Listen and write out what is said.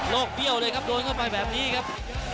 โลกรี่เอาเลยครับโดนเข้าไปแบบนี้ครับ